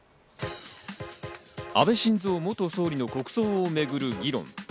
安倍晋三元総理の国葬をめぐる議論。